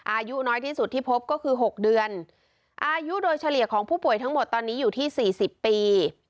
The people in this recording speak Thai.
อายุน้อยที่สุดที่พบก็คือหกเดือนอายุโดยเฉลี่ยของผู้ป่วยทั้งหมดตอนนี้อยู่ที่สี่สิบปี